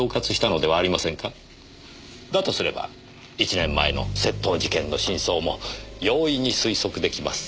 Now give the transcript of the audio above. だとすれば１年前の窃盗事件の真相も容易に推測出来ます。